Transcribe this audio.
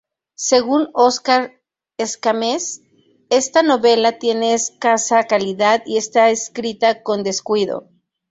Según Óscar Escámez, esta novela tiene escasa calidad y está escrita con descuido.